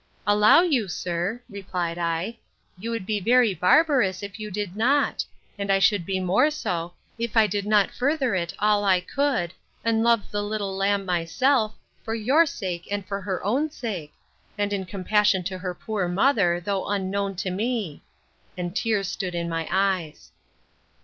Allow you, sir, replied I; you would be very barbarous, if you did not; and I should be more so, if I did not further it all I could, and love the little lamb myself, for your sake and for her own sake; and in compassion to her poor mother, though unknown to me: And tears stood in my eyes.